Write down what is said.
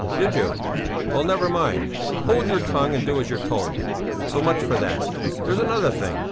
"Did you? Well, never mind, hold your tongue and do as you are told! So much for that! There's another thing!